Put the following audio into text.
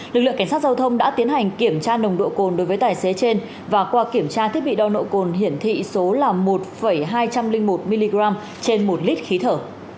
lực lượng cảnh sát giao thông đã tiến hành kiểm tra nồng độ cồn đối với tài xế trên và qua kiểm tra thiết bị đo nồng độ cồn hiển thị số một hai trăm linh một mg trên một lít khí thở